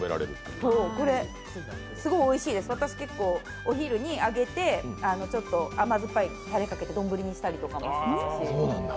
これすごいおいしいです、私、結構お昼に揚げてちょっと甘酸っぱいたれをかけて丼にしたりもします。